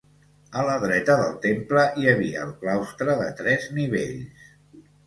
A la dreta del temple hi havia el claustre, de tres nivells.